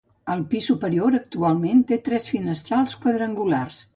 El pis superior actualment té tres finestrals quadrangulars.